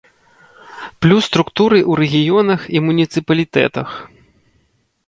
Плюс структуры ў рэгіёнах і муніцыпалітэтах.